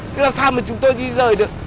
thế là sao mà chúng tôi đi rời được